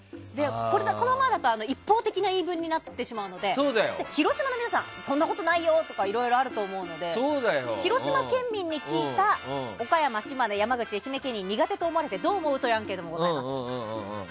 このままだと一方的な言い分になってしまうので広島の皆さんそんなことないよとかあると思うので広島県民に聞いた岡山・島根・山口・愛媛県民に苦手と思われてどう思う？というアンケートがございます。